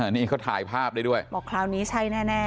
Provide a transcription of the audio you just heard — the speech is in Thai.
นี่เขาถ่ายภาพได้ด้วยบอกคราวนี้ใช่แน่